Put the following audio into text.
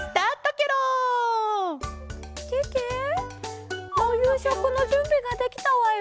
けけおゆうしょくのじゅんびができたわよ。